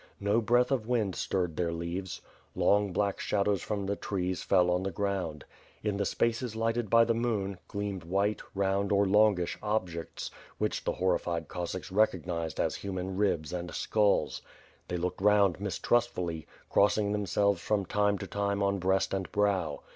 No breath of wind stirred their leaves. Long, black shadows from the trees fell on the ground. In the spaces lighted by the moon, gleamed white, round or longish objects, which the horrified 28 434 WITH FIRE AND SWORD. Coseackfi recognized as human ribs and skulls. They looked round mistrustfully, crossing themselves from time to time on breast and brow.